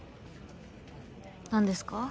何ですか？